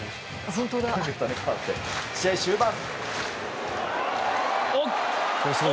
試合終盤。